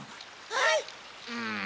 はい！